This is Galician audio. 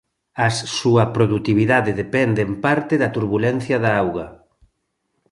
As súa produtividade depende en parte da turbulencia da auga.